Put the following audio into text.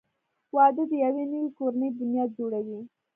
• واده د یوې نوې کورنۍ بنیاد جوړوي.